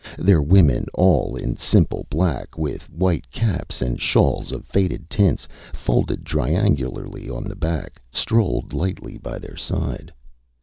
Their women all in simple black, with white caps and shawls of faded tints folded triangularly on the back, strolled lightly by their side.